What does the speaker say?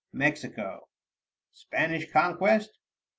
MEXICO. Spanish Conquest.